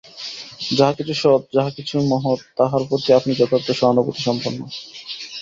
যাহা কিছু সৎ, যাহা কিছু মহৎ, তাহার প্রতি আপনি যথার্থ সহানুভূতিসম্পন্ন।